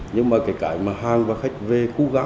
nhưng mà kể cả hàng và khách về